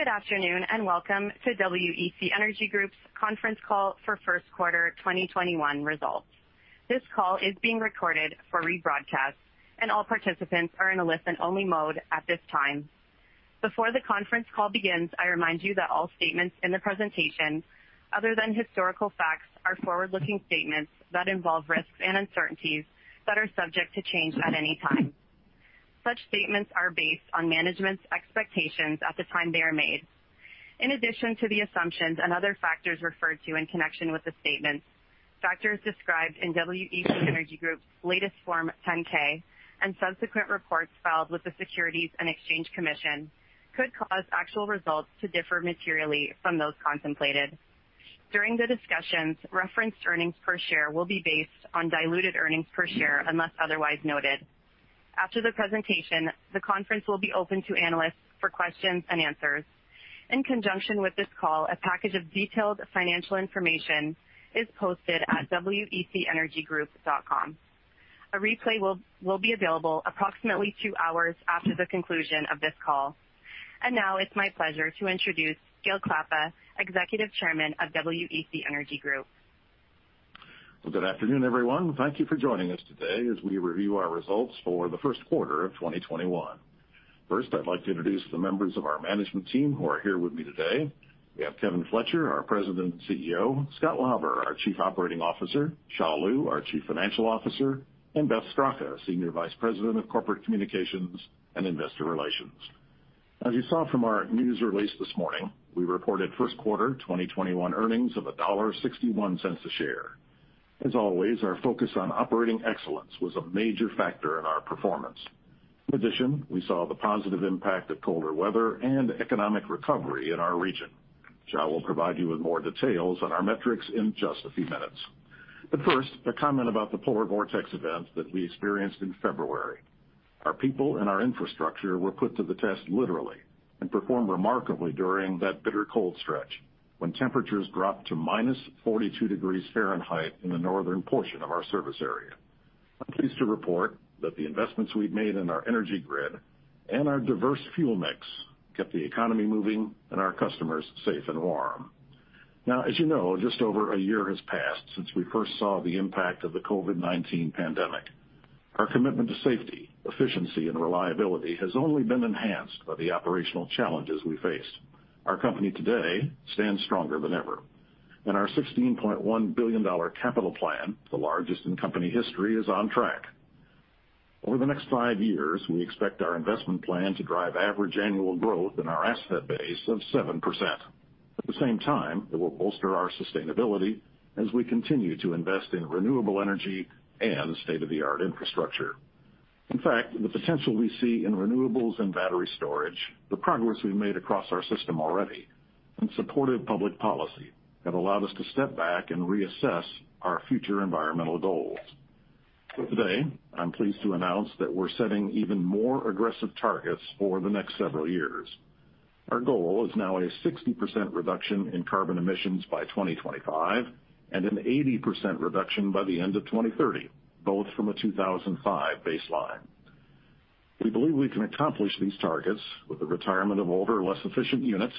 Good afternoon, welcome to WEC Energy Group's conference call for first quarter 2021 results. This call is being recorded for rebroadcast, and all participants are in a listen-only mode at this time. Before the conference call begins, I remind you that all statements in the presentation, other than historical facts, are forward-looking statements that involve risks and uncertainties that are subject to change at any time. Such statements are based on management's expectations at the time they are made. In addition to the assumptions and other factors referred to in connection with the statements, factors described in WEC Energy Group's latest Form 10-K and subsequent reports filed with the Securities and Exchange Commission could cause actual results to differ materially from those contemplated. During the discussions, referenced earnings per share will be based on diluted earnings per share unless otherwise noted. After the presentation, the conference will be open to analysts for questions and answers. In conjunction with this call, a package of detailed financial information is posted at wecenergygroup.com. A replay will be available approximately two hours after the conclusion of this call. Now it's my pleasure to introduce Gale Klappa, Executive Chairman of WEC Energy Group. Well, good afternoon, everyone. Thank Thank you for joining us today as we review our results for the first quarter of 2021. First, I'd like to introduce the members of our management team who are here with me today. We have Kevin Fletcher, our President and CEO, Scott Lauber, our Chief Operating Officer, Xia Liu, our Chief Financial Officer, and M. Beth Straka, Senior Vice President of Corporate Communications and Investor Relations. As you saw from our news release this morning, we reported first quarter 2021 earnings of $1.61 a share. As always, our focus on operating excellence was a major factor in our performance. In addition, we saw the positive impact of colder weather and economic recovery in our region. Xia will provide you with more details on our metrics in just a few minutes. First, a comment about the polar vortex event that we experienced in February. Our people and our infrastructure were put to the test literally, and performed remarkably during that bitter cold stretch when temperatures dropped to -42 degrees Fahrenheit in the northern portion of our service area. I'm pleased to report that the investments we've made in our energy grid and our diverse fuel mix kept the economy moving and our customers safe and warm. As you know, just over a year has passed since we first saw the impact of the COVID-19 pandemic. Our commitment to safety, efficiency, and reliability has only been enhanced by the operational challenges we faced. Our company today stands stronger than ever. Our $16.1 billion capital plan, the largest in company history, is on track. Over the next five years, we expect our investment plan to drive average annual growth in our asset base of 7%. At the same time, it will bolster our sustainability as we continue to invest in renewable energy and state-of-the-art infrastructure. In fact, the potential we see in renewables and battery storage, the progress we've made across our system already, and supportive public policy have allowed us to step back and reassess our future environmental goals. Today, I'm pleased to announce that we're setting even more aggressive targets for the next several years. Our goal is now a 60% reduction in carbon emissions by 2025, and an 80% reduction by the end of 2030, both from a 2005 baseline. We believe we can accomplish these targets with the retirement of older, less efficient units,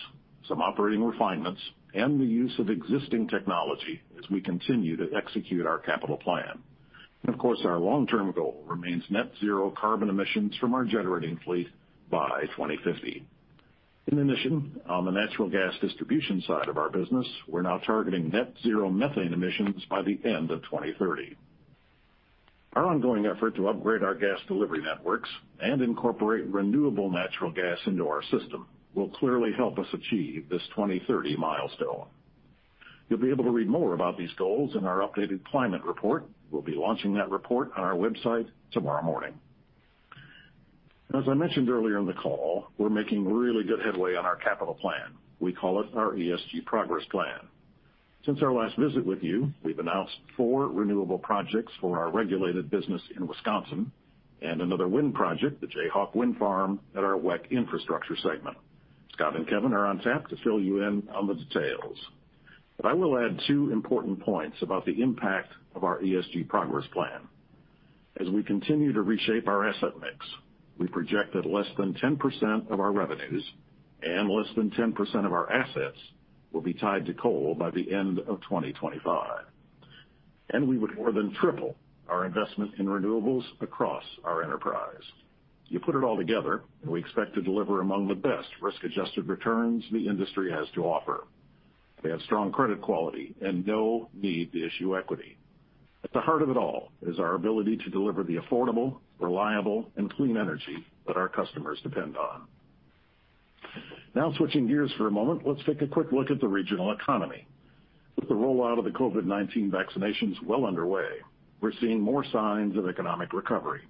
some operating refinements, and the use of existing technology as we continue to execute our capital plan. Of course, our long-term goal remains net zero carbon emissions from our generating fleet by 2050. On the natural gas distribution side of our business, we're now targeting net zero methane emissions by the end of 2030. Our ongoing effort to upgrade our gas delivery networks and incorporate renewable natural gas into our system will clearly help us achieve this 2030 milestone. You'll be able to read more about these goals in our updated climate report. We'll be launching that report on our website tomorrow morning. As I mentioned earlier in the call, we're making really good headway on our capital plan. We call it our ESG Progress Plan. Since our last visit with you, we've announced four renewable projects for our regulated business in Wisconsin and another wind project, the Jayhawk Wind Farm, at our WEC infrastructure segment. Scott and Kevin are on tap to fill you in on the details. I will add two important points about the impact of our ESG Progress Plan. As we continue to reshape our asset mix, we project that less than 10% of our revenues and less than 10% of our assets will be tied to coal by the end of 2025. We would more than triple our investment in renewables across our enterprise. You put it all together, and we expect to deliver among the best risk-adjusted returns the industry has to offer. We have strong credit quality and no need to issue equity. At the heart of it all is our ability to deliver the affordable, reliable, and clean energy that our customers depend on. Switching gears for a moment, let's take a quick look at the regional economy. With the rollout of the COVID-19 vaccinations well underway, we're seeing more signs of economic recovery.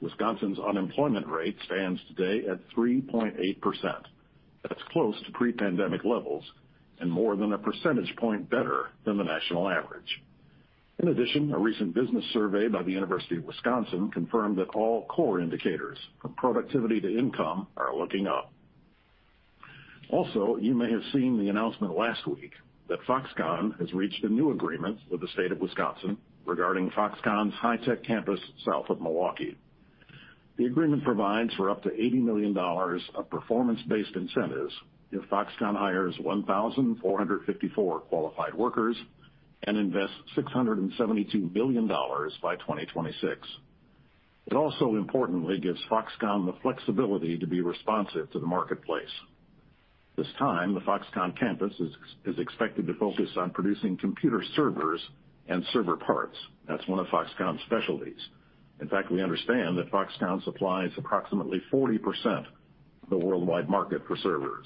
Wisconsin's unemployment rate stands today at 3.8%. That's close to pre-pandemic levels and more than a percentage point better than the national average. In addition, a recent business survey by the University of Wisconsin confirmed that all core indicators, from productivity to income, are looking up. Also, you may have seen the announcement last week that Foxconn has reached a new agreement with the state of Wisconsin regarding Foxconn's high-tech campus south of Milwaukee. The agreement provides for up to $80 million of performance-based incentives if Foxconn hires 1,454 qualified workers and invests $672 million by 2026. It also importantly gives Foxconn the flexibility to be responsive to the marketplace. This time, the Foxconn campus is expected to focus on producing computer servers and server parts. That's one of Foxconn's specialties. In fact, we understand that Foxconn supplies approximately 40% of the worldwide market for servers.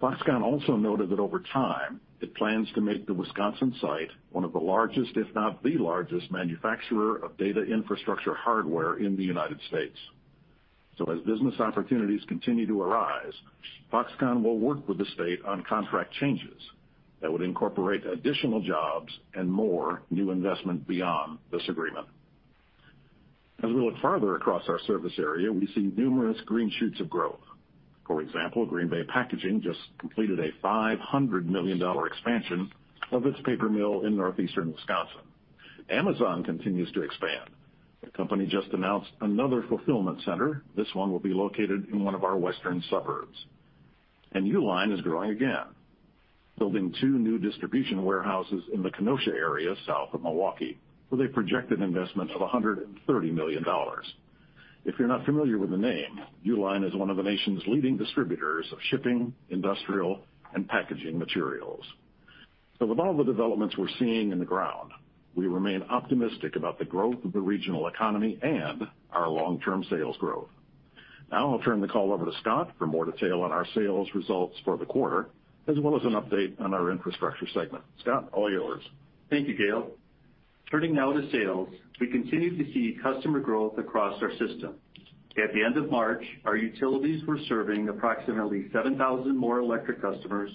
Foxconn also noted that over time, it plans to make the Wisconsin site one of the largest, if not the largest, manufacturer of data infrastructure hardware in the United States. As business opportunities continue to arise, Foxconn will work with the state on contract changes that would incorporate additional jobs and more new investment beyond this agreement. As we look farther across our service area, we see numerous green shoots of growth. For example, Green Bay Packaging just completed a $500 million expansion of its paper mill in northeastern Wisconsin. Amazon continues to expand. The company just announced another fulfillment center. This one will be located in one of our western suburbs. Uline is growing again, building two new distribution warehouses in the Kenosha area south of Milwaukee, with a projected investment of $130 million. If you're not familiar with the name, Uline is one of the nation's leading distributors of shipping, industrial, and packaging materials. With all the developments we're seeing in the ground, we remain optimistic about the growth of the regional economy and our long-term sales growth. Now I'll turn the call over to Scott for more detail on our sales results for the quarter, as well as an update on our infrastructure segment. Scott, all yours. Thank you, Gale. Turning now to sales, we continue to see customer growth across our system. At the end of March, our utilities were serving approximately 7,000 more electric customers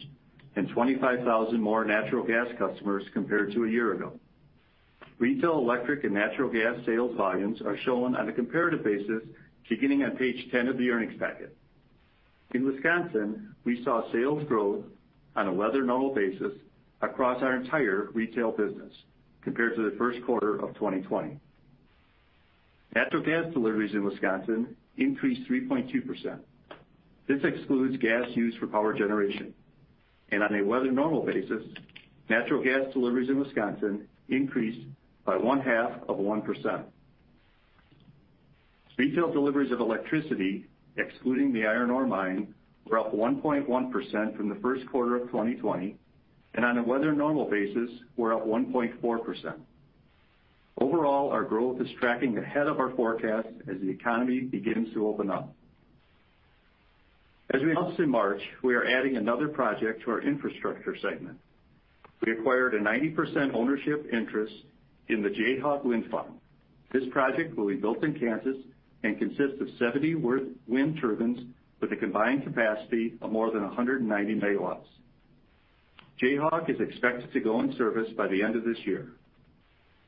and 25,000 more natural gas customers compared to a year ago. Retail electric and natural gas sales volumes are shown on a comparative basis beginning on page 10 of the earnings packet. In Wisconsin, we saw sales growth on a weather normal basis across our entire retail business compared to the first quarter of 2020. Natural gas deliveries in Wisconsin increased 3.2%. This excludes gas used for power generation. On a weather normal basis, natural gas deliveries in Wisconsin increased by one half of 1%. Retail deliveries of electricity, excluding the iron ore mine, were up 1.1% from the first quarter of 2020, and on a weather normal basis, were up 1.4%. Overall, our growth is tracking ahead of our forecast as the economy begins to open up. As we announced in March, we are adding another project to our infrastructure segment. We acquired a 90% ownership interest in the Jayhawk Wind Farm. This project will be built in Kansas and consists of 70 wind turbines with a combined capacity of more than 190 MW. Jayhawk is expected to go in service by the end of this year.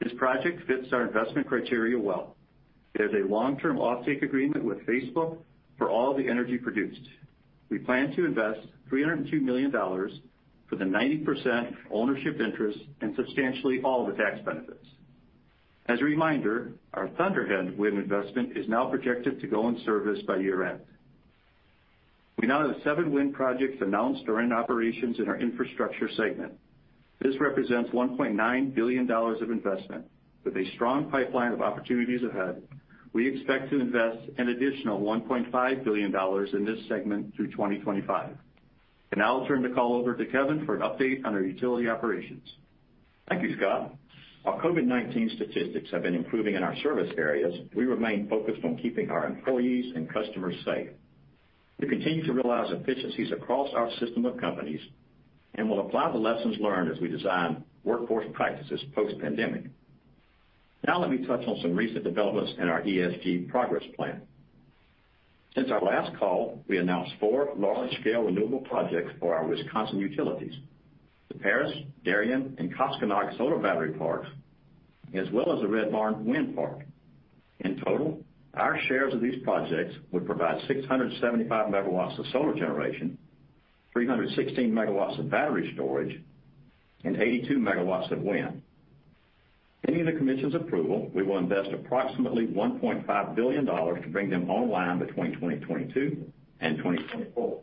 This project fits our investment criteria well. It has a long-term off-take agreement with Facebook for all the energy produced. We plan to invest $302 million for the 90% ownership interest and substantially all the tax benefits. As a reminder, our Thunderhead Wind investment is now projected to go in service by year-end. We now have seven wind projects announced or in operations in our infrastructure segment. This represents $1.9 billion of investment. With a strong pipeline of opportunities ahead, we expect to invest an additional $1.5 billion in this segment through 2025. Now I'll turn the call over to Kevin for an update on our utility operations. Thank you, Scott. While COVID-19 statistics have been improving in our service areas, we remain focused on keeping our employees and customers safe. We continue to realize efficiencies across our system of companies and will apply the lessons learned as we design workforce practices post-pandemic. Let me touch on some recent developments in our ESG Progress Plan. Since our last call, we announced four large-scale renewable projects for our Wisconsin utilities, the Paris, Darien, and Koshkonong Solar Battery Parks, as well as the Red Barn Wind Park. In total, our shares of these projects would provide 675 MW of solar generation, 316 MW of battery storage, and 82 MW of wind. Pending the commission's approval, we will invest approximately $1.5 billion to bring them online between 2022 and 2024.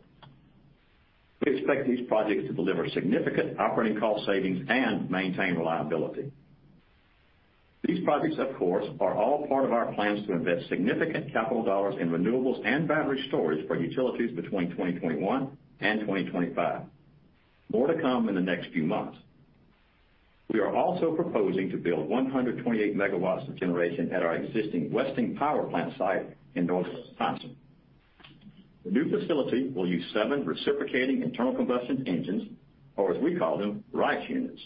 We expect these projects to deliver significant operating cost savings and maintain reliability. These projects, of course, are all part of our plans to invest significant capital dollars in renewables and battery storage for utilities between 2021 and 2025. More to come in the next few months. We are also proposing to build 128 MW of generation at our existing Weston power plant site in northern Wisconsin. The new facility will use seven reciprocating internal combustion engines, or as we call them, RICE units.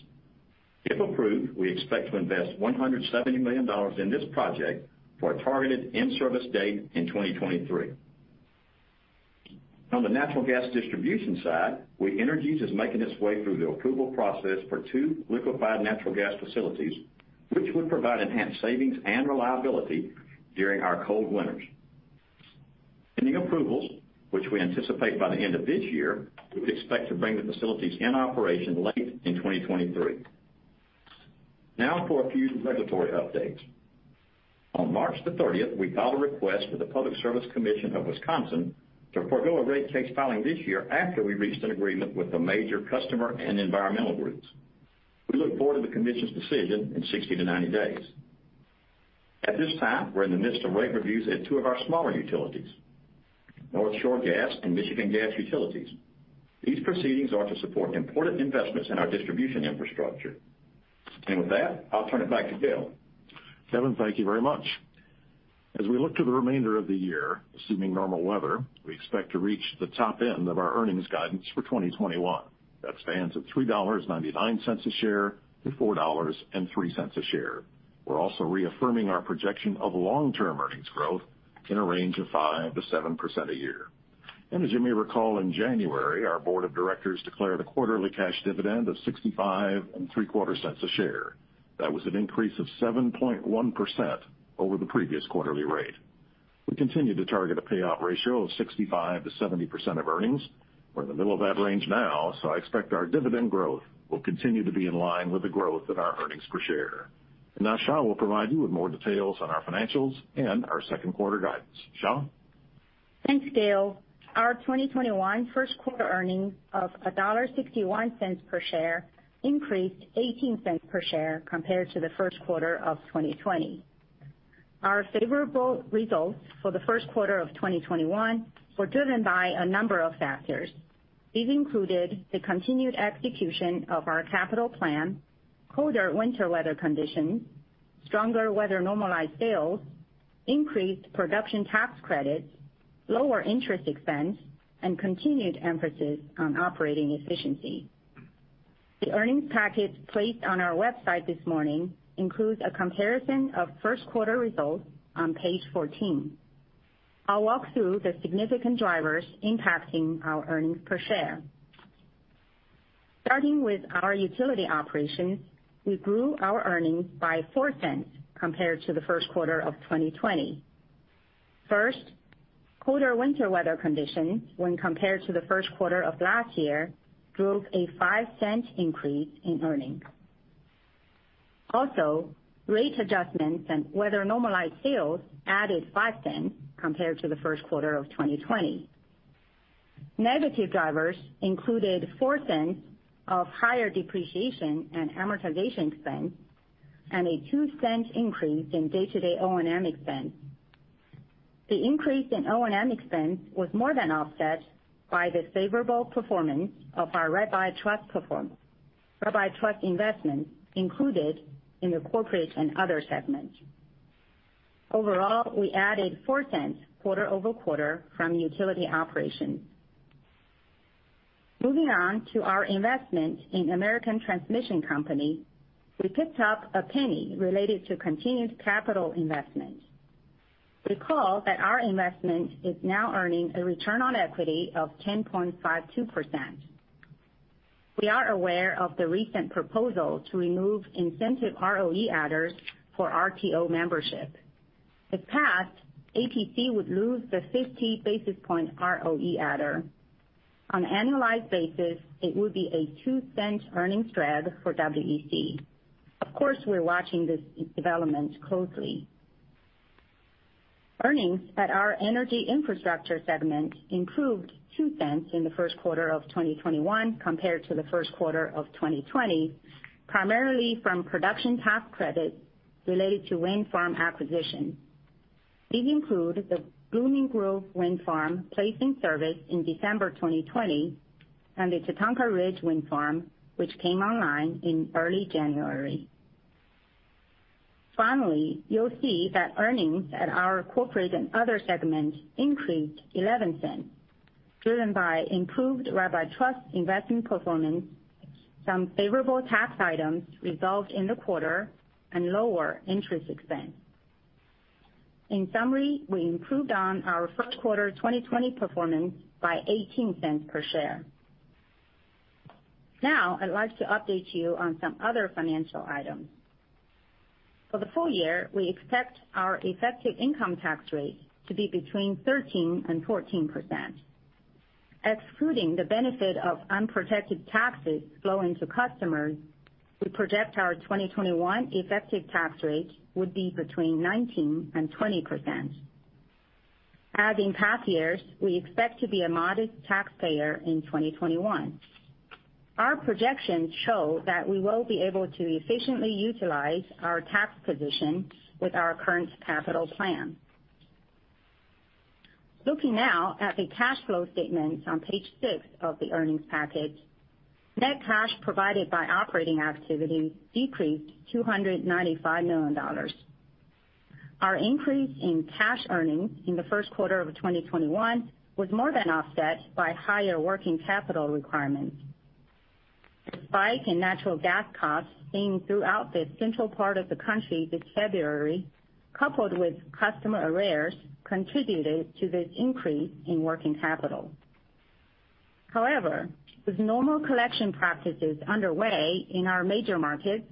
If approved, we expect to invest $170 million in this project for a targeted in-service date in 2023. On the natural gas distribution side, We Energies is making its way through the approval process for two liquefied natural gas facilities, which would provide enhanced savings and reliability during our cold winters. Pending approvals, which we anticipate by the end of this year, we would expect to bring the facilities in operation late in 2023. For a few regulatory updates. On March the 30th, we filed a request with the Public Service Commission of Wisconsin to forego a rate case filing this year after we reached an agreement with a major customer and environmental groups. We look forward to the Commission's decision in 60-90 days. At this time, we're in the midst of rate reviews at two of our smaller utilities, North Shore Gas and Michigan Gas Utilities. These proceedings are to support important investments in our distribution infrastructure. With that, I'll turn it back to Gale. Kevin, thank you very much. As we look to the remainder of the year, assuming normal weather, we expect to reach the top end of our earnings guidance for 2021. That spans $3.99 a share to $4.03 a share. We're also reaffirming our projection of long-term earnings growth in a range of 5% to 7% a year. As you may recall, in January, our board of directors declared a quarterly cash dividend of $0.6575 a share. That was an increase of 7.1% over the previous quarterly rate. We continue to target a payout ratio of 65%-70% of earnings. We're in the middle of that range now, I expect our dividend growth will continue to be in line with the growth of our earnings per share. Now Xia Liu will provide you with more details on our financials and our second quarter guidance. Xia Liu? Thanks, Gale. Our 2021 first quarter earnings of $1.61 per share increased $0.18 per share compared to the first quarter of 2020. Our favorable results for the first quarter of 2021 were driven by a number of factors. These included the continued execution of our capital plan, colder winter weather conditions, stronger weather normalized sales, increased production tax credits, lower interest expense, and continued emphasis on operating efficiency. The earnings package placed on our website this morning includes a comparison of first quarter results on page 14. I'll walk through the significant drivers impacting our earnings per share. Starting with our utility operations, we grew our earnings by $0.04 compared to the first quarter of 2020. First, colder winter weather conditions when compared to the first quarter of last year drove a $0.05 increase in earnings. Also, rate adjustments and weather normalized sales added $0.05 compared to the first quarter of 2020. Negative drivers included $0.04 of higher depreciation and amortization expense and a $0.02 increase in day-to-day O&M expense. The increase in O&M expense was more than offset by the favorable performance of our rabbi trust investments included in the corporate and other segments. Overall, we added $0.04 quarter-over-quarter from utility operations. Moving on to our investment in American Transmission Company, we picked up $0.01 related to continued capital investment. Recall that our investment is now earning a return on equity of 10.52%. We are aware of the recent proposal to remove incentive ROE adders for RTO membership. If passed, ATC would lose the 50 basis point ROE adder. On an annualized basis, it would be a $0.02 earnings drag for WEC. Of course, we're watching this development closely. Earnings at our energy infrastructure segment improved $0.02 in the first quarter of 2021 compared to the first quarter of 2020, primarily from production tax credits related to wind farm acquisitions. These include the Blooming Grove wind farm placed in service in December 2020 and the Tatanka Ridge wind farm, which came online in early January. You'll see that earnings at our corporate and other segments increased $0.11, driven by improved rabbi trust investment performance, some favorable tax items resolved in the quarter, and lower interest expense. We improved on our first quarter 2020 performance by $0.18 per share. I'd like to update you on some other financial items. For the full year, we expect our effective income tax rate to be between 13% and 14%. Excluding the benefit of unprotected taxes flowing to customers, we project our 2021 effective tax rate would be between 19% and 20%. As in past years, we expect to be a modest taxpayer in 2021. Our projections show that we will be able to efficiently utilize our tax position with our current capital plan. Looking now at the cash flow statement on page six of the earnings package, net cash provided by operating activity decreased $295 million. Our increase in cash earnings in the first quarter of 2021 was more than offset by higher working capital requirements. The spike in natural gas costs seen throughout the central part of the country this February, coupled with customer arrears, contributed to this increase in working capital. However, with normal collection practices underway in our major markets,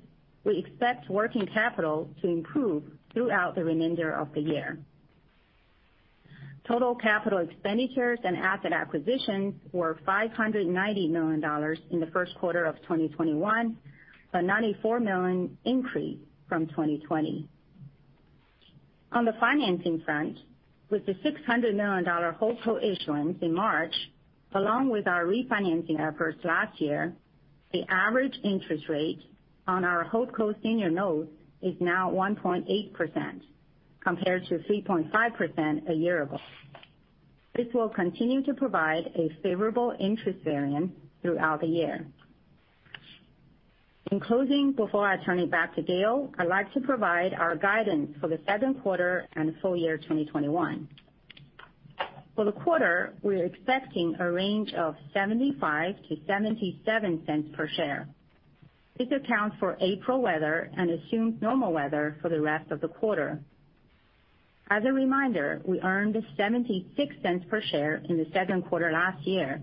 we expect working capital to improve throughout the remainder of the year. Total capital expenditures and asset acquisitions were $590 million in the first quarter of 2021, a $94 million increase from 2020. On the financing front, with the $600 million HoldCo issuance in March, along with our refinancing efforts last year, the average interest rate on our HoldCo senior notes is now 1.8%, compared to 3.5% a year ago. This will continue to provide a favorable interest variance throughout the year. In closing, before I turn it back to Gale, I'd like to provide our guidance for the second quarter and full year 2021. For the quarter, we're expecting a range of $0.75-$0.77 per share. This accounts for April weather and assumes normal weather for the rest of the quarter. As a reminder, we earned $0.76 per share in the second quarter last year.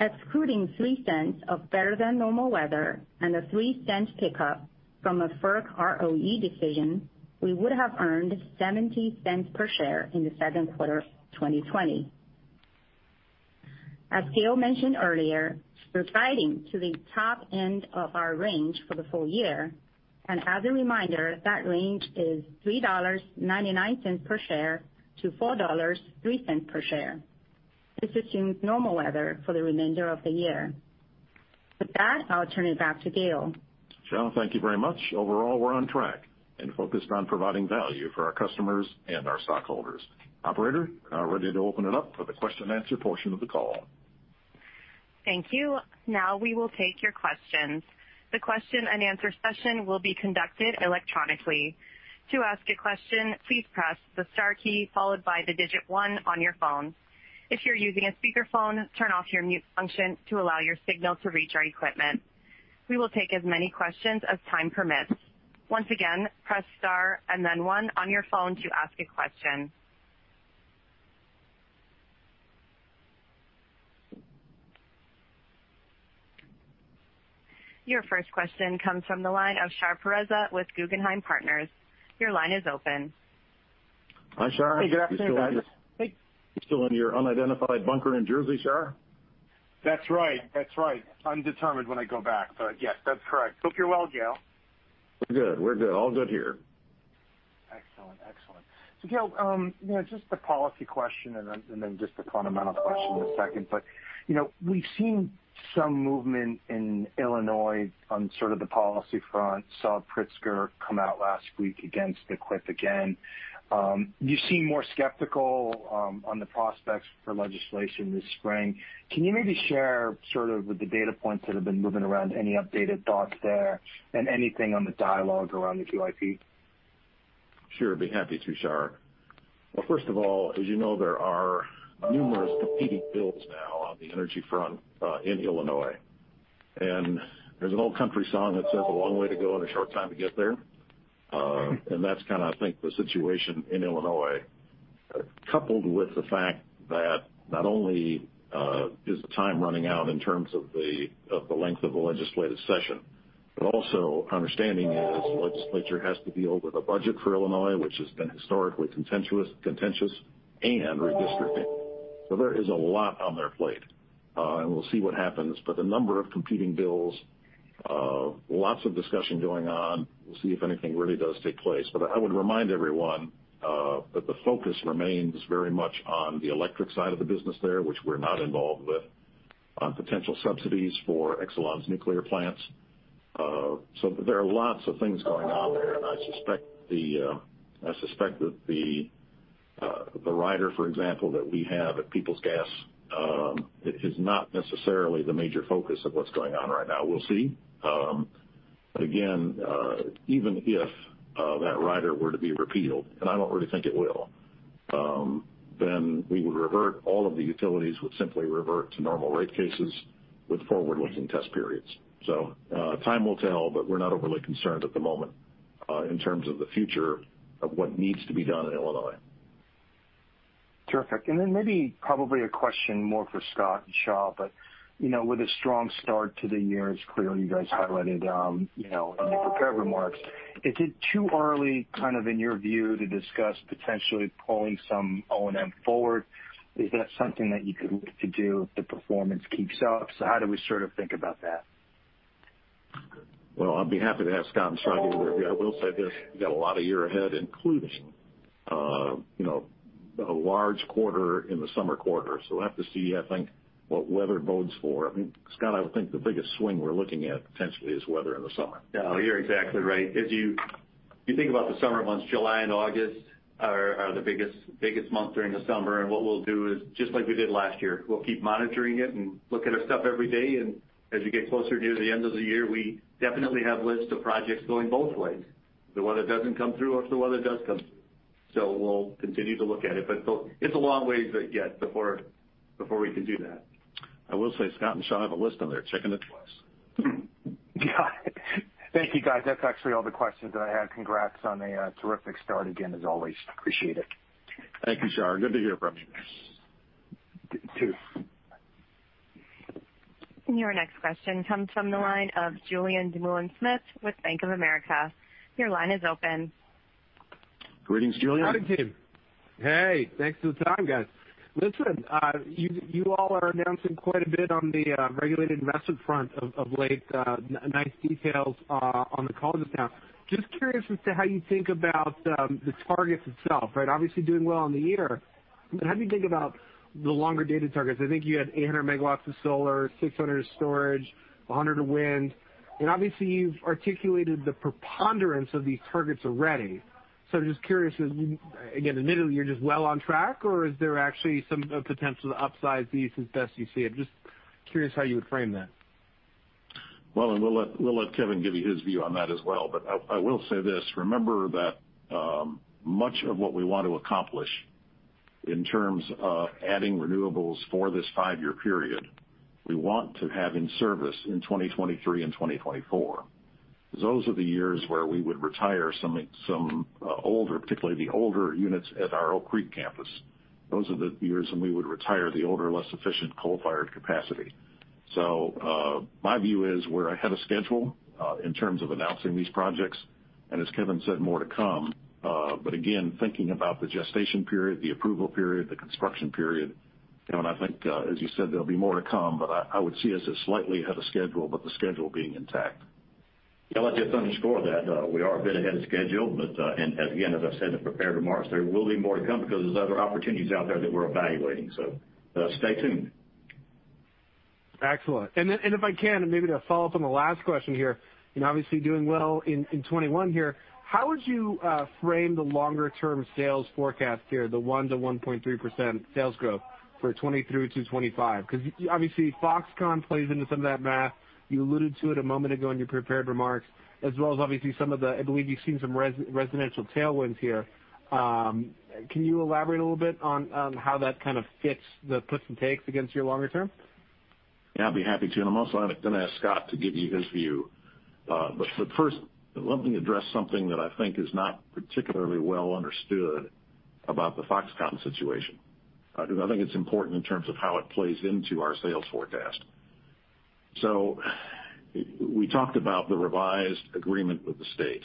Excluding $0.03 of better-than-normal weather and a $0.03 pickup from a FERC ROE decision, we would have earned $0.70 per share in the second quarter of 2020. As Gale mentioned earlier, we're guiding to the top end of our range for the full year. As a reminder, that range is $3.99 per share-$4.03 per share. This assumes normal weather for the remainder of the year. With that, I'll turn it back to Gale. Xia, thank you very much. Overall, we're on track and focused on providing value for our customers and our stockholders. Operator, we are now ready to open it up for the question and answer portion of the call. Thank you. Now we will take your questions. Your first question comes from the line of Shar Pourreza with Guggenheim Partners. Hi, Shar. Hey, good afternoon, guys. Hey. You still in your unidentified bunker in Jersey, Shar? That's right. Undetermined when I go back. Yes, that's correct. Hope you're well, Gale. We're good. All good here. Excellent. Gale, just a policy question and then just a fundamental question in a second. We've seen some movement in Illinois on sort of the policy front. Saw Pritzker come out last week against the QIP again. You seem more skeptical on the prospects for legislation this spring. Can you maybe share sort of with the data points that have been moving around, any updated thoughts there, and anything on the dialogue around the QIP? Sure. Be happy to, Shar. Well, first of all, as you know, there are numerous competing bills now on the energy front in Illinois, and there's an old country song that says a long way to go and a short time to get there. That's kind of, I think, the situation in Illinois. Coupled with the fact that not only is the time running out in terms of the length of the legislative session, but also our understanding is the legislature has to deal with a budget for Illinois, which has been historically contentious, and redistricting. There is a lot on their plate, and we'll see what happens. The number of competing bills, lots of discussion going on. We'll see if anything really does take place. I would remind everyone that the focus remains very much on the electric side of the business there, which we're not involved with, on potential subsidies for Exelon's nuclear plants. There are lots of things going on there, and I suspect that the rider, for example, that we have at Peoples Gas is not necessarily the major focus of what's going on right now. We'll see. Again, even if that rider were to be repealed, and I don't really think it will, then we would revert, all of the utilities would simply revert to normal rate cases with forward-looking test periods. Time will tell, but we're not overly concerned at the moment in terms of the future of what needs to be done in Illinois. Terrific. Maybe probably a question more for Scott and Xia, but with a strong start to the year, as clearly you guys highlighted in your prepared remarks, is it too early kind of in your view, to discuss potentially pulling some O&M forward? Is that something that you could look to do if the performance keeps up? How do we sort of think about that? Well, I'll be happy to have Scott Lauber and Xia Liu give their view. I will say this, we've got a lot of year ahead, including a large quarter in the summer quarter. We'll have to see, I think, what weather bodes for. I mean, Scott Lauber, I would think the biggest swing we're looking at potentially is weather in the summer. Yeah, you're exactly right. As you think about the summer months, July and August are the biggest months during the summer. What we'll do is just like we did last year. We'll keep monitoring it and look at our stuff every day, and as you get closer to the end of the year, we definitely have lists of projects going both ways. The weather doesn't come through or if the weather does come through. We'll continue to look at it, but it's a long ways yet before we can do that. I will say Scott and Xia Liu have a list and they're checking it twice. Got it. Thank you, guys. That's actually all the questions that I had. Congrats on a terrific start again, as always. Appreciate it. Thank you, Shar. Good to hear from you. You too. Your next question comes from the line of Julien Dumoulin-Smith with Bank of America. Your line is open. Greetings, Julien. Howdy, team. Hey, thanks for the time, guys. Listen, you all are announcing quite a bit on the regulated investment front of late. Nice details on the call just now. Just curious as to how you think about the targets itself, right? Obviously doing well on the year. How do you think about the longer-dated targets? I think you had 800 megawatts of solar, 600 of storage, 100 of wind. Obviously you've articulated the preponderance of these targets already. I'm just curious, again, admittedly, you're just well on track, or is there actually some potential to upsize these as best you see it? Just curious how you would frame that. We'll let Kevin give you his view on that as well. I will say this, remember that much of what we want to accomplish in terms of adding renewables for this five-year period, we want to have in service in 2023 and 2024. Those are the years where we would retire some older, particularly the older units at our Oak Creek campus. Those are the years when we would retire the older, less efficient coal-fired capacity. My view is we're ahead of schedule in terms of announcing these projects. As Kevin said, more to come. Again, thinking about the gestation period, the approval period, the construction period, I think as you said, there'll be more to come, but I would see us as slightly ahead of schedule, but the schedule being intact. Yeah, look, just to underscore that, we are a bit ahead of schedule, but, and again, as I said in the prepared remarks, there will be more to come because there's other opportunities out there that we're evaluating. Stay tuned. Excellent. If I can, maybe to follow up on the last question here, obviously doing well in 2021 here, how would you frame the longer-term sales forecast here, the 1%-1.3% sales growth for 2023 to 2025? Obviously Foxconn plays into some of that math. You alluded to it a moment ago in your prepared remarks, as well as obviously some of the, I believe you've seen some residential tailwinds here. Can you elaborate a little bit on how that kind of fits the puts and takes against your longer term? Yeah, I'd be happy to. I'm also going to ask Scott to give you his view. First let me address something that I think is not particularly well understood about the Foxconn situation. I think it's important in terms of how it plays into our sales forecast. We talked about the revised agreement with the state.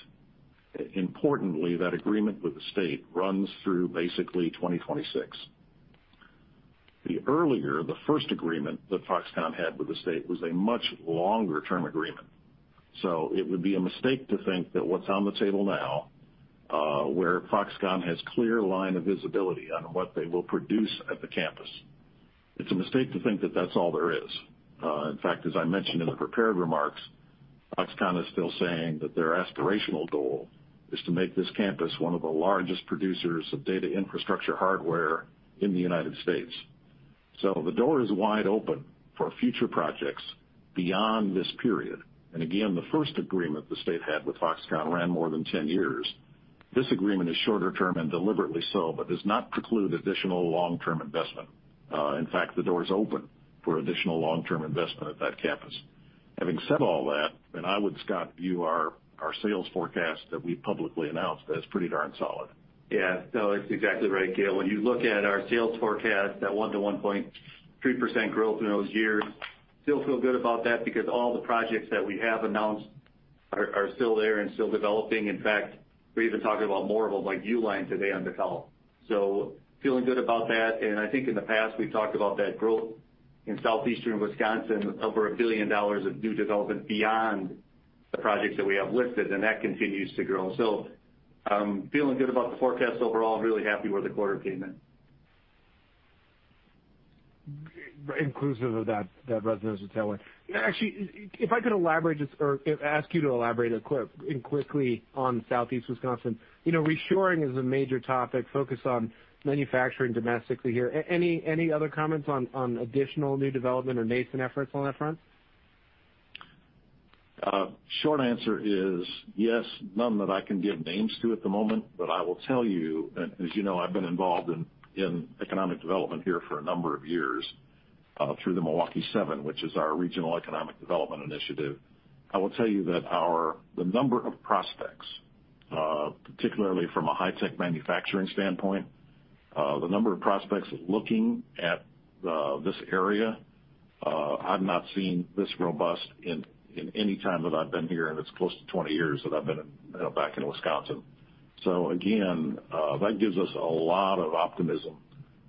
Importantly, that agreement with the state runs through basically 2026. The first agreement that Foxconn had with the state was a much longer-term agreement. It would be a mistake to think that what's on the table now, where Foxconn has clear line of visibility on what they will produce at the campus, it's a mistake to think that that's all there is. In fact, as I mentioned in the prepared remarks, Foxconn is still saying that their aspirational goal is to make this campus one of the largest producers of data infrastructure hardware in the United States. The door is wide open for future projects beyond this period. Again, the first agreement the state had with Foxconn ran more than 10 years. This agreement is shorter term and deliberately so, does not preclude additional long-term investment. In fact, the door is open for additional long-term investment at that campus. Having said all that, I would, Scott, view our sales forecast that we publicly announced as pretty darn solid. No, that's exactly right, Gale. When you look at our sales forecast, that 1%-1.3% growth in those years, still feel good about that because all the projects that we have announced are still there and still developing. In fact, we're even talking about more of them like Uline today on develop. Feeling good about that. I think in the past, we've talked about that growth in southeastern Wisconsin, over $1 billion of new development beyond the projects that we have listed, and that continues to grow. I'm feeling good about the forecast overall, really happy where the quarter came in. Inclusive of that residential tailwind. Actually, if I could elaborate or ask you to elaborate quickly on Southeast Wisconsin. Reshoring is a major topic, focus on manufacturing domestically here. Any other comments on additional new development or nascent efforts on that front? Short answer is yes. None that I can give names to at the moment, but I will tell you, and as you know, I've been involved in economic development here for a number of years through the Milwaukee 7, which is our regional economic development initiative. I will tell you that the number of prospects, particularly from a high-tech manufacturing standpoint, the number of prospects looking at this area, I've not seen this robust in any time that I've been here, and it's close to 20 years that I've been back in Wisconsin. Again, that gives us a lot of optimism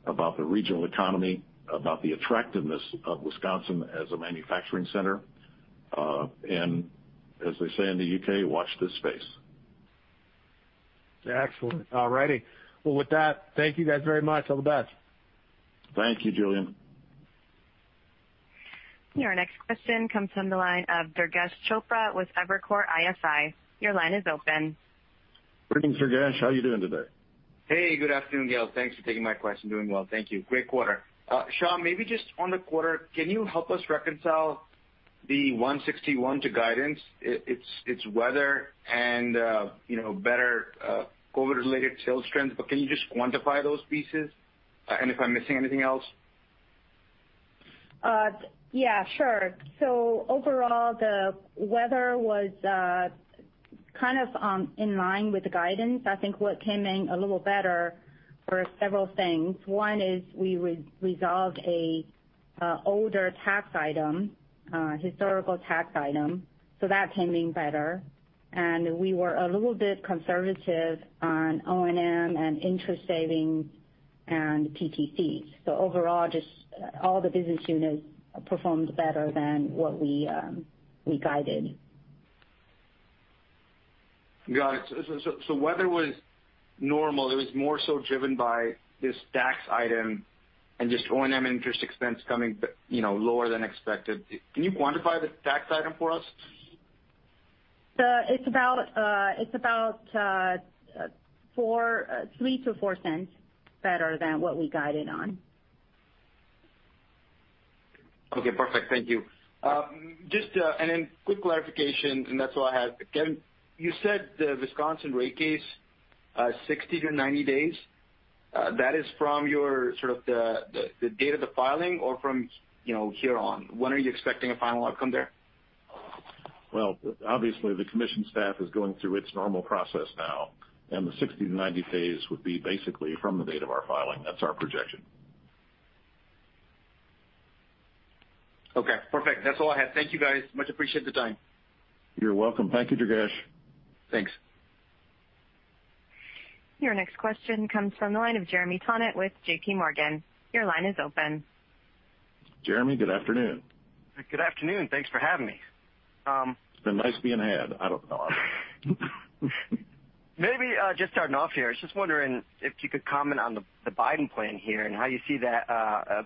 about the regional economy, about the attractiveness of Wisconsin as a manufacturing center. As they say in the U.K., watch this space. Excellent. All righty. Well, with that, thank you guys very much. All the best. Thank you, Julien. Your next question comes from the line of Durgesh Chopra with Evercore ISI. Your line is open. Greetings, Durgesh. How are you doing today? Hey, good afternoon, Gale. Thanks for taking my question. Doing well, thank you. Great quarter. Xia, maybe just on the quarter, can you help us reconcile the $1.61 to guidance? It's weather and better COVID-19-related sales trends, can you just quantify those pieces? If I'm missing anything else Yeah, sure. Overall, the weather was in line with the guidance. I think what came in a little better were several things. One is we resolved a older tax item, a historical tax item, so that came in better. We were a little bit conservative on O&M and interest saving and PTCs. Overall, just all the business units performed better than what we guided. Got it. Weather was normal. It was more so driven by this tax item and just O&M interest expense coming lower than expected. Can you quantify the tax item for us? It's about $0.03-$0.04 better than what we guided on. Okay, perfect. Thank you. Then quick clarification, and that's all I had. Kevin, you said the Wisconsin rate case, 60-90 days. That is from your sort of the date of the filing or from here on. When are you expecting a final outcome there? Well, obviously, the commission staff is going through its normal process now. The 60-90 days would be basically from the date of our filing. That's our projection. Okay, perfect. That's all I had. Thank you, guys. Much appreciate the time. You're welcome. Thank you, Durgesh. Thanks. Your next question comes from the line of Jeremy Tonet with JPMorgan. Your line is open. Jeremy, good afternoon. Good afternoon. Thanks for having me. It's been nice being had. I don't know. Maybe just starting off here, I was just wondering if you could comment on the Biden plan here and how you see that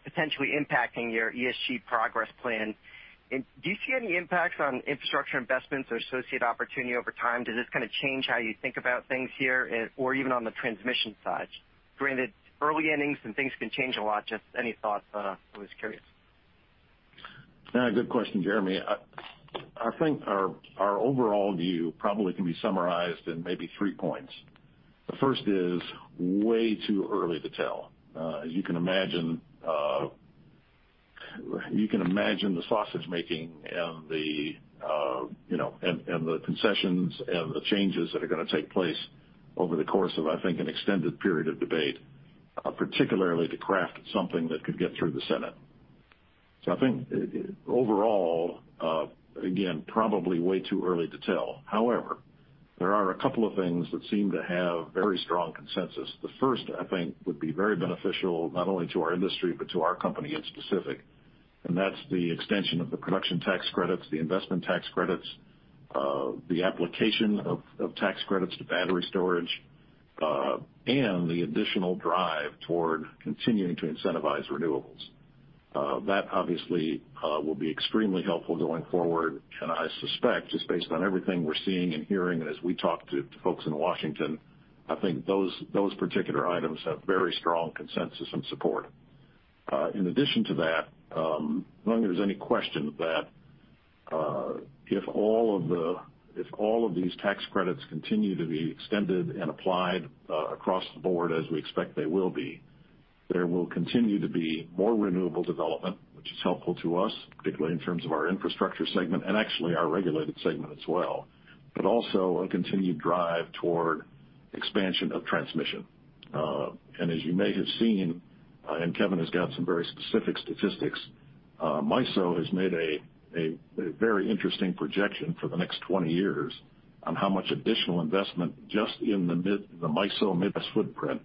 potentially impacting your ESG Progress Plan. Do you see any impacts on infrastructure investments or associate opportunity over time? Does this kind of change how you think about things here or even on the transmission side? Granted, early innings and things can change a lot. Just any thoughts? I was curious. Good question, Jeremy. I think our overall view probably can be summarized in maybe three points. The first is way too early to tell. As you can imagine, the sausage making and the concessions and the changes that are going to take place over the course of, I think, an extended period of debate, particularly to craft something that could get through the Senate. I think overall, again, probably way too early to tell. However, there are a couple of things that seem to have very strong consensus. The first, I think, would be very beneficial not only to our industry but to our company in specific, and that's the extension of the production tax credits, the investment tax credits, the application of tax credits to battery storage, and the additional drive toward continuing to incentivize renewables. That obviously will be extremely helpful going forward, and I suspect, just based on everything we're seeing and hearing, and as we talk to folks in Washington, I think those particular items have very strong consensus and support. In addition to that, I don't think there's any question that if all of these tax credits continue to be extended and applied across the board as we expect they will be, there will continue to be more renewable development, which is helpful to us, particularly in terms of our infrastructure segment and actually our regulated segment as well, but also a continued drive toward expansion of transmission. As you may have seen, Kevin has got some very specific statistics, MISO has made a very interesting projection for the next 20 years on how much additional investment just in the MISO Midwest footprint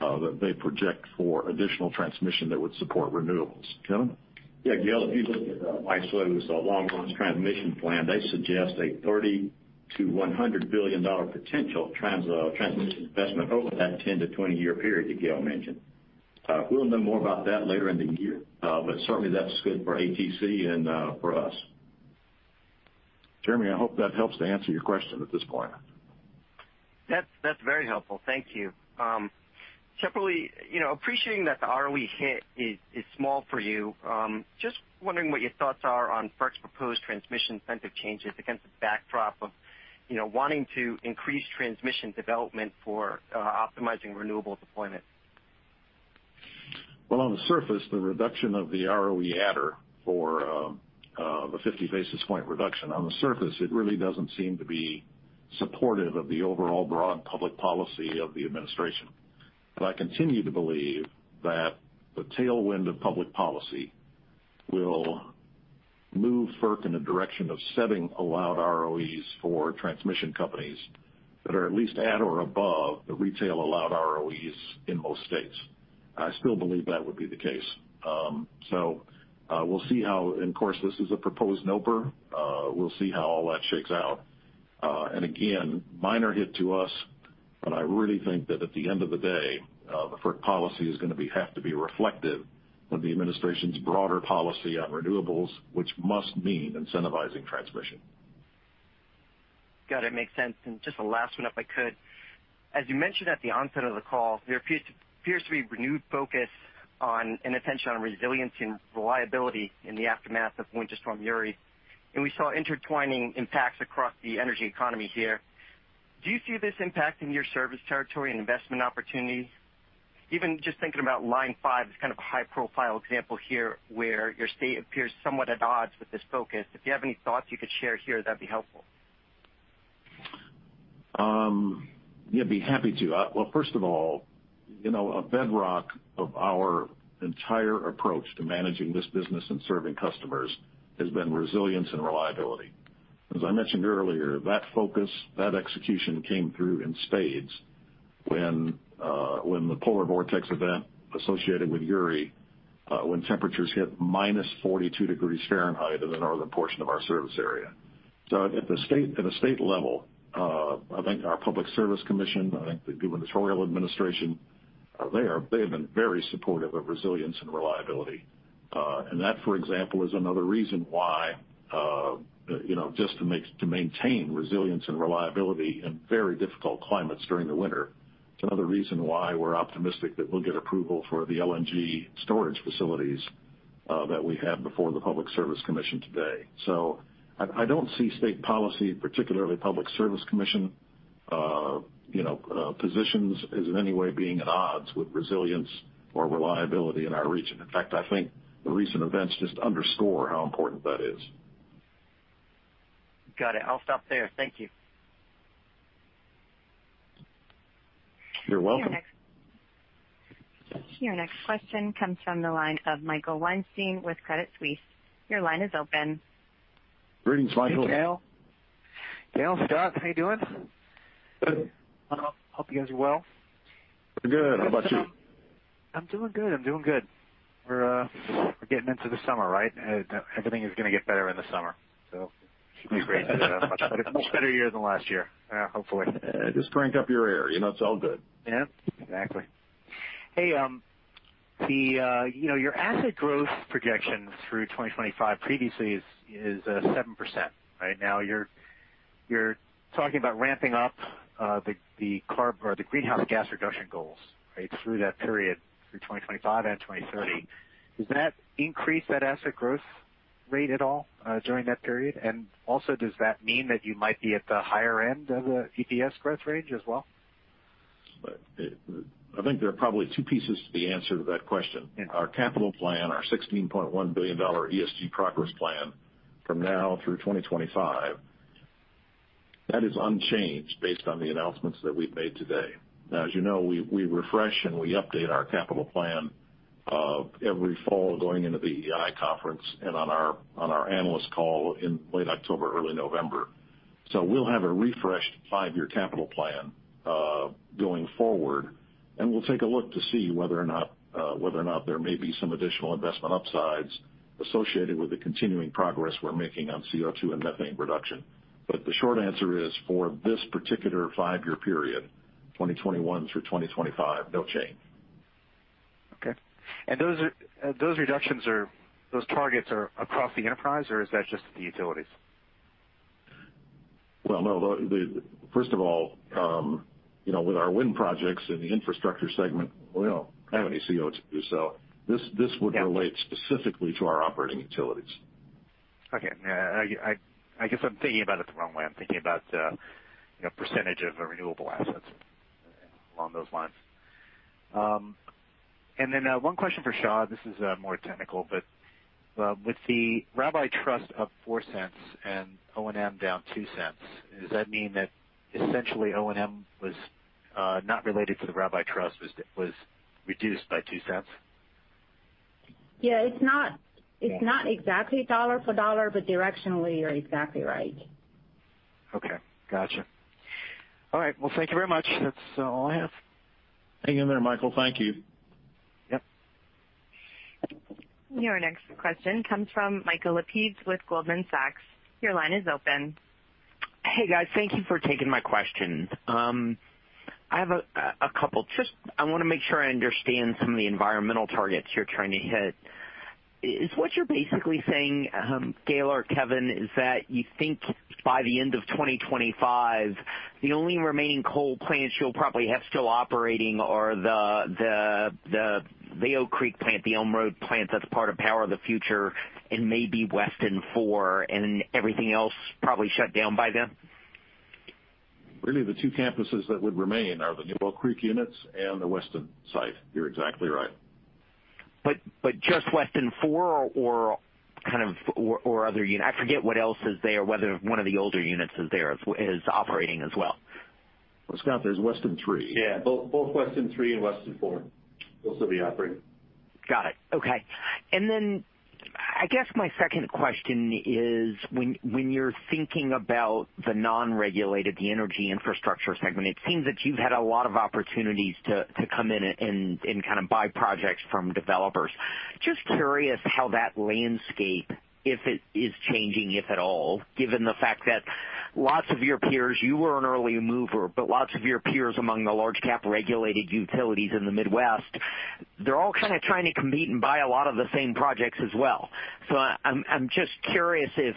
that they project for additional transmission that would support renewables. Kevin? Yeah, Gale, if you look at MISO's long-range transmission plan, they suggest a $30 billion-$100 billion potential transmission investment over that 10-20 year period that Gale mentioned. We'll know more about that later in the year. Certainly that's good for ATC and for us. Jeremy, I hope that helps to answer your question at this point. That's very helpful. Thank you. Separately, appreciating that the ROE hit is small for you, just wondering what your thoughts are on FERC's proposed transmission incentive changes against the backdrop of wanting to increase transmission development for optimizing renewable deployment. On the surface, the reduction of the ROE adder for the 50 basis point reduction, on the surface, it really doesn't seem to be supportive of the overall broad public policy of the Administration. I continue to believe that the tailwind of public policy will move FERC in a direction of setting allowed ROEs for transmission companies that are at least at or above the retail allowed ROEs in most states. I still believe that would be the case. We'll see how, and of course, this is a proposed NOPR. We'll see how all that shakes out. Again, minor hit to us, but I really think that at the end of the day, the FERC policy is going to have to be reflective of the Administration's broader policy on renewables, which must mean incentivizing transmission. Got it. Makes sense. Just the last one, if I could. As you mentioned at the onset of the call, there appears to be renewed focus and attention on resilience and reliability in the aftermath of Winter Storm Uri. We saw intertwining impacts across the energy economy here. Do you see this impacting your service territory and investment opportunities? Even just thinking about Line 5 as kind of a high-profile example here, where your state appears somewhat at odds with this focus. If you have any thoughts you could share here, that'd be helpful. Yeah, I'd be happy to. Well, first of all, a bedrock of our entire approach to managing this business and serving customers has been resilience and reliability. As I mentioned earlier, that focus, that execution came through in spades when the polar vortex event associated with Uri, when temperatures hit -42 degrees Fahrenheit in the northern portion of our service area. At a state level, I think our Public Service Commission, I think the gubernatorial administration, they have been very supportive of resilience and reliability. That, for example, is another reason why, just to maintain resilience and reliability in very difficult climates during the winter. It's another reason why we're optimistic that we'll get approval for the LNG storage facilities that we have before the Public Service Commission today. I don't see state policy, particularly Public Service Commission positions, as in any way being at odds with resilience or reliability in our region. In fact, I think the recent events just underscore how important that is. Got it. I'll stop there. Thank you. You're welcome. Your next question comes from the line of Michael Weinstein with Credit Suisse. Your line is open. Greetings, Michael. Hey, Gale. Gale, Scott, how you doing? Good. Hope you guys are well. We're good. How about you? I'm doing good. We're getting into the summer, right? Everything is going to get better in the summer, so it should be great. Much better year than last year, hopefully. Just crank up your air, it's all good. Yeah, exactly. Hey, your asset growth projection through 2025 previously is 7%, right? Now you're talking about ramping up the greenhouse gas reduction goals through that period, through 2025 and 2030. Does that increase that asset growth rate at all during that period? Also, does that mean that you might be at the higher end of the EPS growth range as well? I think there are probably two pieces to the answer to that question. Yeah. Our capital plan, our $16.1 billion ESG Progress Plan from now through 2025, that is unchanged based on the announcements that we've made today. As you know, we refresh and we update our capital plan every fall going into the EEI conference and on our analyst call in late October, early November. We'll have a refreshed five-year capital plan going forward, and we'll take a look to see whether or not there may be some additional investment upsides associated with the continuing progress we're making on CO2 and methane reduction. The short answer is, for this particular five-year period, 2021 through 2025, no change. Okay. Those targets are across the enterprise, or is that just the utilities? Well, no. First of all, with our wind projects in the infrastructure segment, we don't have any CO2. This would relate specifically to our operating utilities. Okay. I guess I'm thinking about it the wrong way. I'm thinking about the percentage of the renewable assets along those lines. Then one question for Xia. This is more technical, but with the rabbi trust up $0.04 and O&M down $0.02, does that mean that essentially O&M was not related to the rabbi trust, was reduced by $0.02? Yeah. It's not exactly dollar for dollar, but directionally, you're exactly right. Okay, got you. All right, well, thank you very much. That's all I have. Hang in there, Michael. Thank you. Yep. Your next question comes from Michael Lapides with Goldman Sachs. Your line is open. Hey, guys. Thank you for taking my questions. I have a couple. Just, I want to make sure I understand some of the environmental targets you're trying to hit. Is what you're basically saying, Gale or Kevin, is that you think by the end of 2025, the only remaining coal plants you'll probably have still operating are the Oak Creek plant, the Elm Road plant, that's part of Power the Future, and maybe Weston 4, and everything else probably shut down by then? The two campuses that would remain are the Oak Creek units and the Weston site. You're exactly right. Just Weston 4 or other unit I forget what else is there, whether one of the older units is there, is operating as well. Well, Scott, there's Weston 3. Yeah. Both Weston 3 and Weston 4 will still be operating. Got it. Okay. I guess my second question is, when you're thinking about the non-regulated, the energy infrastructure segment, it seems that you've had a lot of opportunities to come in and kind of buy projects from developers. Just curious how that landscape, if it is changing, if at all, given the fact that lots of your peers, you were an early mover, but lots of your peers among the large cap-regulated utilities in the Midwest, they're all kind of trying to compete and buy a lot of the same projects as well. I'm just curious if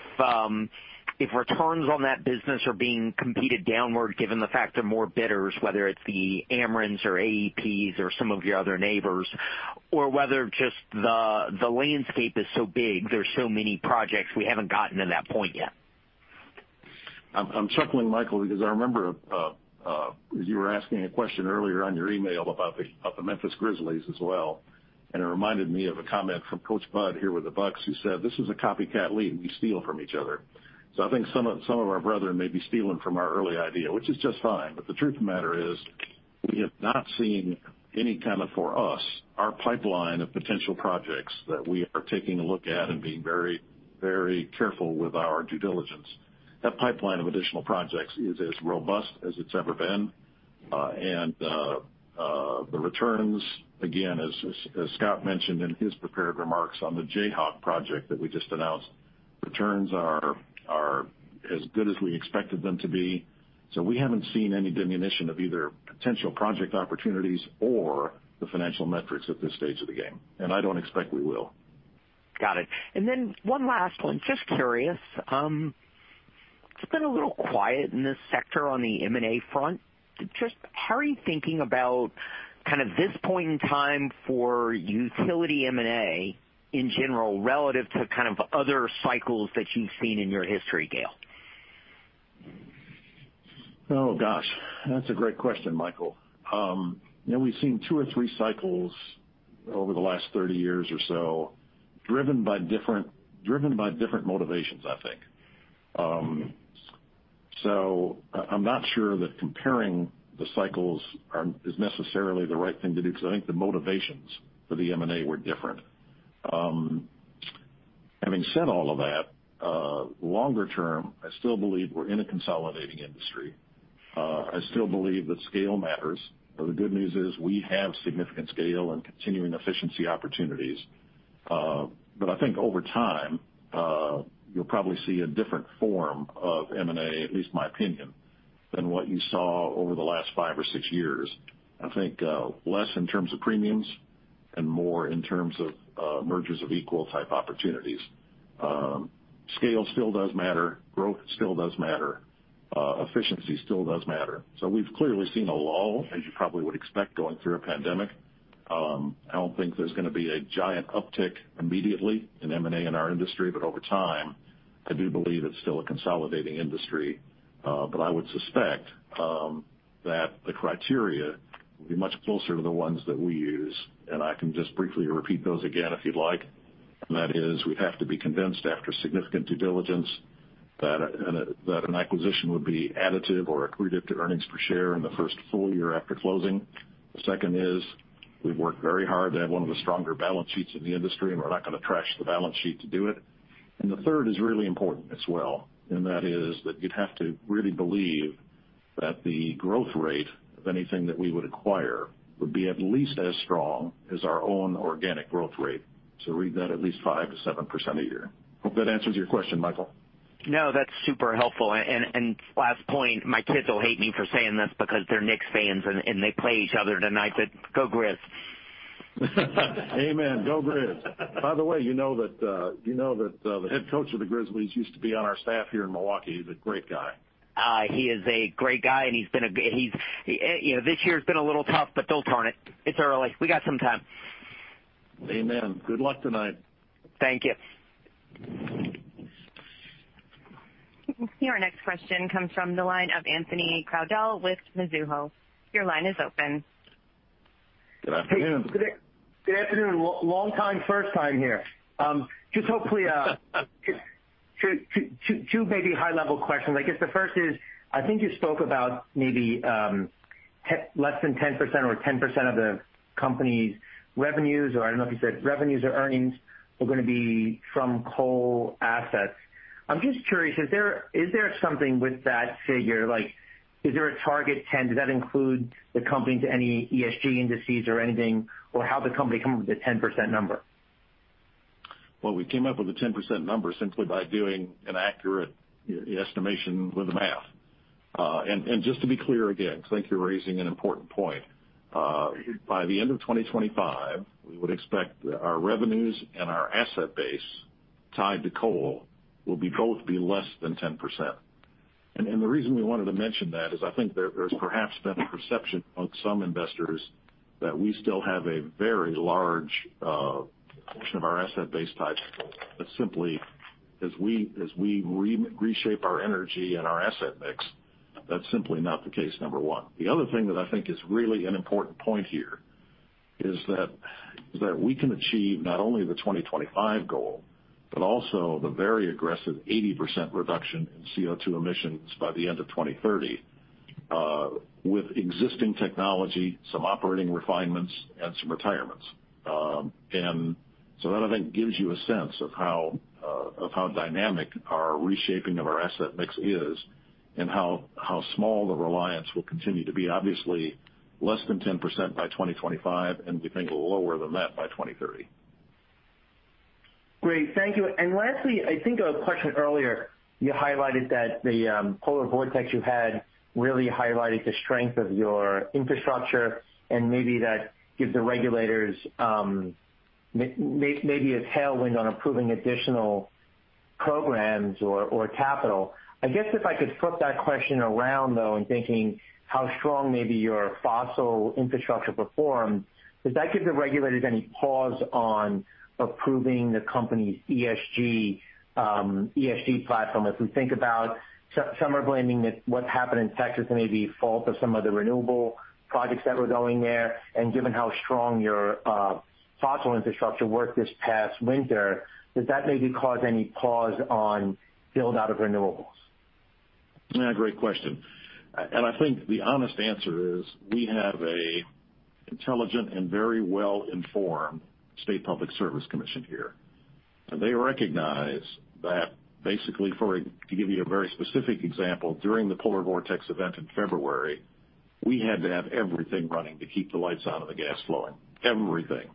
returns on that business are being competed downward, given the fact there are more bidders, whether it's the Amerens or AEPs or some of your other neighbors. Or whether just the landscape is so big, there are so many projects, we haven't gotten to that point yet? I'm chuckling, Michael, because I remember, you were asking a question earlier on your email about the Memphis Grizzlies as well, and it reminded me of a comment from Coach Bud here with the Bucks, who said, "This is a copycat league. We steal from each other." I think some of our brethren may be stealing from our early idea, which is just fine. The truth of the matter is, we have not seen any kind of, for us, our pipeline of potential projects that we are taking a look at and being very careful with our due diligence. That pipeline of additional projects is as robust as it's ever been. The returns, again, as Scott mentioned in his prepared remarks on the Jayhawk project that we just announced, returns are as good as we expected them to be. We haven't seen any diminution of either potential project opportunities or the financial metrics at this stage of the game, and I don't expect we will. Got it. One last one, just curious. It's been a little quiet in this sector on the M&A front. How are you thinking about kind of this point in time for utility M&A in general relative to kind of other cycles that you've seen in your history, Gale? Oh, gosh, that's a great question, Michael. We've seen two or three cycles over the last 30 years or so driven by different motivations, I think. I'm not sure that comparing the cycles is necessarily the right thing to do because I think the motivations for the M&A were different. Having said all of that, longer term, I still believe we're in a consolidating industry. I still believe that scale matters. The good news is we have significant scale and continuing efficiency opportunities. I think over time, you'll probably see a different form of M&A, at least in my opinion, than what you saw over the last five or six years. I think less in terms of premiums and more in terms of mergers of equal type opportunities. Scale still does matter. Growth still does matter. Efficiency still does matter. We've clearly seen a lull, as you probably would expect going through a pandemic. I don't think there's going to be a giant uptick immediately in M&A in our industry. Over time, I do believe it's still a consolidating industry. I would suspect that the criteria will be much closer to the ones that we use, and I can just briefly repeat those again if you'd like. That is, we have to be convinced after significant due diligence that an acquisition would be additive or accretive to earnings per share in the first full year after closing. The second is we've worked very hard to have one of the stronger balance sheets in the industry, and we're not going to trash the balance sheet to do it. The third is really important as well, and that is that you'd have to really believe that the growth rate of anything that we would acquire would be at least as strong as our own organic growth rate. Read that at least 5%-7% a year. Hope that answers your question, Michael. No, that's super helpful. Last point, my kids will hate me for saying this because they're Knicks fans and they play each other tonight, go Grizz. Amen. Go Grizz. By the way, you know that the head coach of the Grizzlies used to be on our staff here in Milwaukee. He's a great guy. He is a great guy, and this year's been a little tough, but they'll turn it. It's early. We got some time. Amen. Good luck tonight. Thank you. Your next question comes from the line of Anthony Crowdell with Mizuho. Your line is open. Good afternoon. Good afternoon. Long time, first time here. Just two maybe high-level questions. I guess the first is, I think you spoke about maybe less than 10% or 10% of the company's revenues, or I don't know if you said revenues or earnings, are going to be from coal assets. I'm just curious, is there something with that figure? Is there a target 10%? Does that include the company into any ESG indices or anything, or how did the company come up with the 10% number? Well, we came up with a 10% number simply by doing an accurate estimation with the math. Just to be clear again, because I think you're raising an important point. By the end of 2025, we would expect our revenues and our asset base tied to coal will both be less than 10%. The reason we wanted to mention that is I think there's perhaps been a perception among some investors that we still have a very large portion of our asset base tied to coal. As we reshape our energy and our asset mix, that's simply not the case, number one. The other thing that I think is really an important point here is that we can achieve not only the 2025 goal, but also the very aggressive 80% reduction in CO2 emissions by the end of 2030 with existing technology, some operating refinements, and some retirements. That, I think, gives you a sense of how dynamic our reshaping of our asset mix is and how small the reliance will continue to be. Obviously, less than 10% by 2025, and we think lower than that by 2030. Great. Thank you. Lastly, I think a question earlier, you highlighted that the polar vortex you had really highlighted the strength of your infrastructure and maybe that gives the regulators maybe a tailwind on approving additional programs or capital. I guess if I could flip that question around, though, in thinking how strong maybe your fossil infrastructure performed, does that give the regulators any pause on approving the company's ESG platform? As we think about, some are blaming that what happened in Texas may be fault of some of the renewable projects that were going there. Given how strong your fossil infrastructure worked this past winter, does that maybe cause any pause on build-out of renewables? Yeah, great question. I think the honest answer is, we have an intelligent and very well-informed state Public Service Commission here. They recognize that basically, to give you a very specific example, during the polar vortex event in February, we had to have everything running to keep the lights on and the gas flowing. Everything.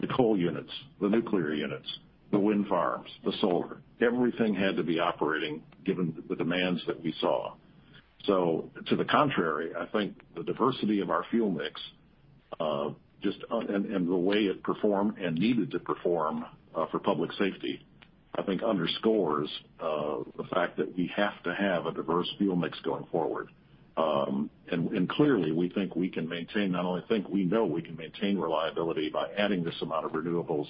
The coal units, the nuclear units, the wind farms, the solar. Everything had to be operating given the demands that we saw. To the contrary, I think the diversity of our fuel mix, and the way it performed and needed to perform for public safety, I think underscores the fact that we have to have a diverse fuel mix going forward. Clearly, we think we can maintain, not only think, we know we can maintain reliability by adding this amount of renewables,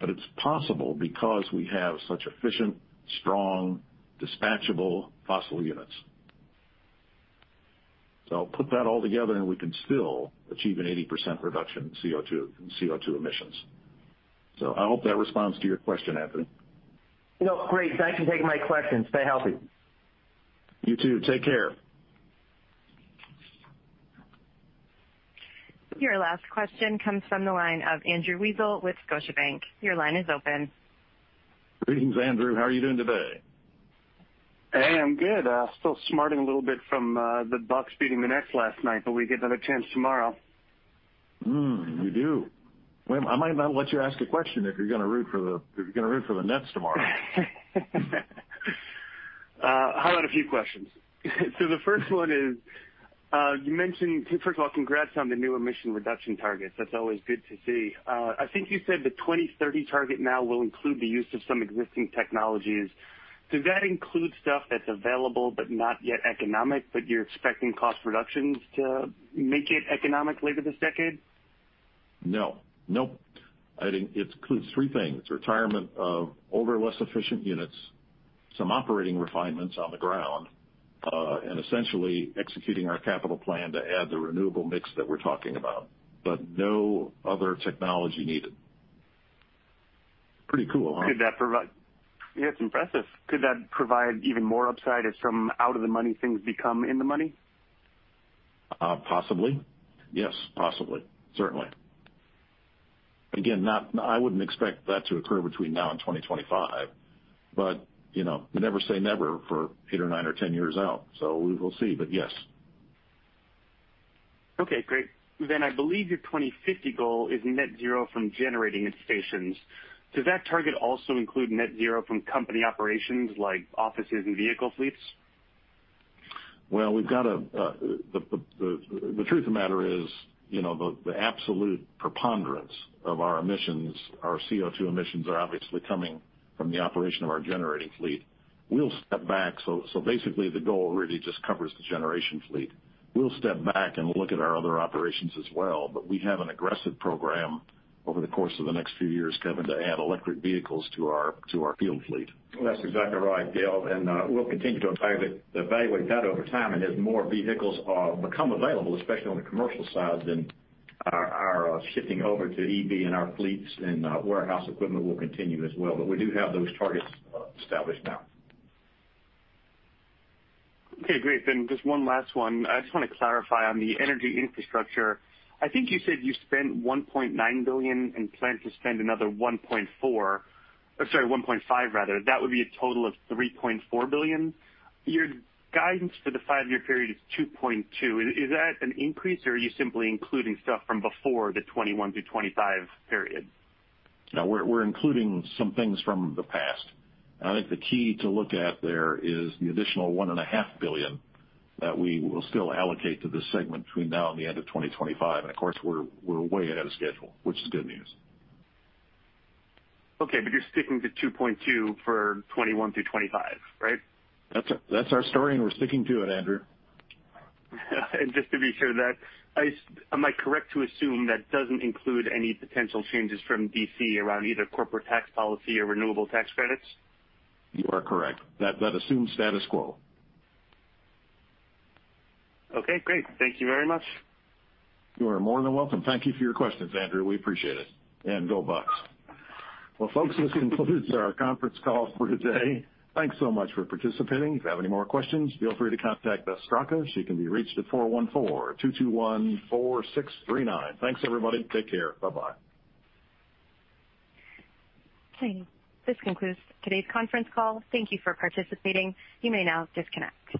but it's possible because we have such efficient, strong, dispatchable fossil units. Put that all together and we can still achieve an 80% reduction in CO2 emissions. I hope that responds to your question, Anthony. Great. Thanks for taking my question. Stay healthy. You, too. Take care. Your last question comes from the line of Andrew Weisel with Scotiabank. Your line is open. Greetings, Andrew. How are you doing today? Hey, I'm good. Still smarting a little bit from the Bucks beating the Nets last night. We get another chance tomorrow. We do. Wait, I might not let you ask a question if you're going to root for the Nets tomorrow. How about a few questions? The first one is, first of all, congrats on the new emission reduction targets. That's always good to see. I think you said the 2030 target now will include the use of some existing technologies. Does that include stuff that's available but not yet economic, but you're expecting cost reductions to make it economic later this decade? No. Nope. It includes three things. Retirement of older, less efficient units, some operating refinements on the ground, and essentially executing our capital plan to add the renewable mix that we're talking about. No other technology needed. Pretty cool, huh? Yeah, it's impressive. Could that provide even more upside if some out-of-the-money things become in the money? Possibly. Yes, possibly. Certainly. I wouldn't expect that to occur between now and 2025. Never say never for eight or nine or 10 years out, so we will see, but yes. Okay, great. I believe your 2050 goal is net zero from generating at stations. Does that target also include net zero from company operations like offices and vehicle fleets? Well, the truth of the matter is, the absolute preponderance of our emissions, our CO2 emissions, are obviously coming from the operation of our generating fleet. We'll step back. Basically the goal really just covers the generation fleet. We'll step back and look at our other operations as well. We have an aggressive program over the course of the next few years, Kevin, to add electric vehicles to our field fleet. That's exactly right, Gale, we'll continue to evaluate that over time. As more vehicles become available, especially on the commercial side, then our shifting over to EV in our fleets and warehouse equipment will continue as well. We do have those targets established now. Okay, great. Just one last one. I just want to clarify on the energy infrastructure. I think you said you spent $1.9 billion and plan to spend another $1.4 billion, or, sorry, $1.5 billion rather. That would be a total of $3.4 billion. Your guidance for the five-year period is $2.2 billion. Is that an increase, or are you simply including stuff from before the 2021 through 2025 period? No, we're including some things from the past. I think the key to look at there is the additional $1.5 billion that we will still allocate to this segment between now and the end of 2025. Of course, we're way ahead of schedule, which is good news. Okay, you're sticking to 2.2 billion for 2021 to 2025, right? That's our story and we're sticking to it, Andrew. Just to be sure of that, am I correct to assume that doesn't include any potential changes from D.C. around either corporate tax policy or renewable tax credits? You are correct. That assumes status quo. Okay, great. Thank you very much. You are more than welcome. Thank you for your questions, Andrew. We appreciate it. Go Bucks. Well, folks, this concludes our conference call for today. Thanks so much for participating. If you have any more questions, feel free to contact Beth Straka. She can be reached at 414-221-4639. Thanks, everybody. Take care. Bye-bye. This concludes today's conference call. Thank you for participating. You may now disconnect.